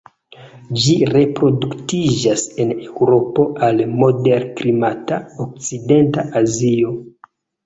Ĝi reproduktiĝas en Eŭropo al moderklimata okcidenta Azio.